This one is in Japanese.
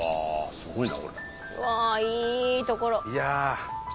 すごいな。